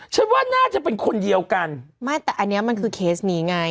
ฉันว่าน่าจะเป็นคนเดียวกันไม่แต่อันเนี้ยมันคือเคสนี้ไง